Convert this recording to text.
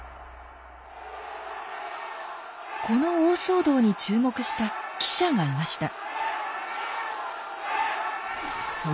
この大騒動に注目した記者がいました。